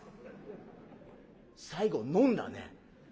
「最後飲んだね。